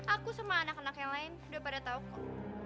aku sama anak anak yang lain udah pada tahu kok